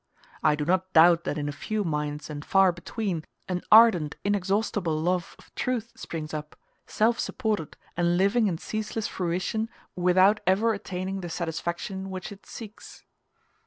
I do not doubt that in a few minds and far between, an ardent, inexhaustible love of truth springs up, self supported, and living in ceaseless fruition without ever attaining the satisfaction which it seeks.